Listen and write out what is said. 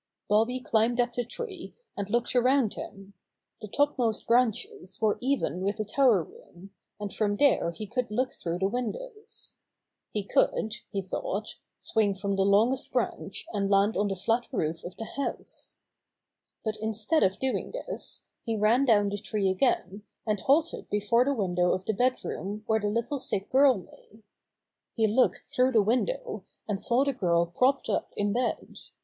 Bobby climbed up the tree and looked around him. The topmost branches were even with the tower room, and from there he could look through the windows. He could, he thought, swing from the longest branch and land o the flat roof of the house. Bobby Makes Friends With the Girl 35 But instead of doing this, he ran down the tree again, and halted before the window of the bed room where the little sick girl lay. He looked through the window and saw the girl propped up in bed.